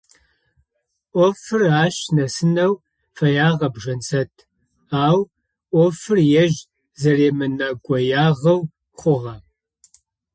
Ӏофыр ащ нэсынэу фэягъэп Жансэт, ау ӏофыр ежь зэремынэгуягъэу хъугъэ.